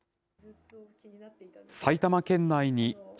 埼玉県内に築